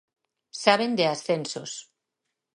Saben de ascensos.